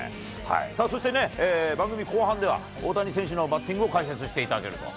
そしてね、番組後半では、大谷選手のバッティングを解説していただけると。